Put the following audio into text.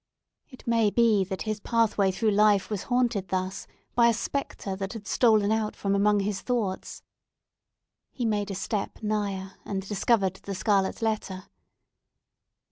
It may be that his pathway through life was haunted thus by a spectre that had stolen out from among his thoughts. He made a step nigher, and discovered the scarlet letter.